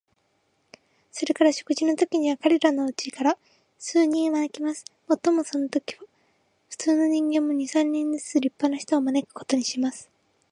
それから食事のときには、彼等のうちから数人招きます。もっともそのときには、普通の人間も、二三人ずつ立派な人を招くことにします。